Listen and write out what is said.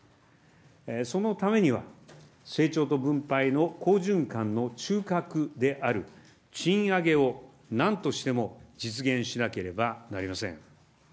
そのためには、成長と分配の好循環の中核である賃上げを、なんとしても実現しなければなりません。